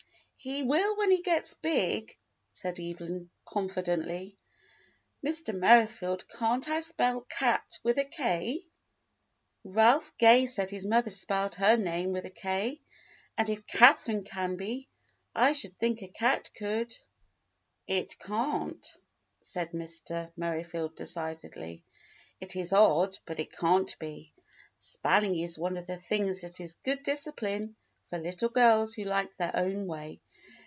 "He will when he gets big," said Evelyn confi dently. "Mr. Merrifield, can't I spell cat with a K? Ralph Gay said his mother spelled her name with a K, and if Katharine can be, I should think a cat could." "It can't," said Mr. Merrifield decidedly. "It is odd, but it can't be. Spelling is one of the things that is good discipline for little girls who like their own way.